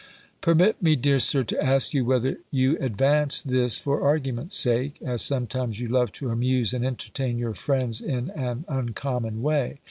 Permit me, dear Sir, to ask you, whether you advanced this for argument sake, as sometimes you love to amuse and entertain your friends in an uncommon way?